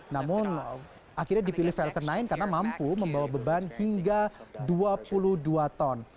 namun akhirnya dipilih falcon sembilan karena mampu membawa beban hingga dua puluh dua ton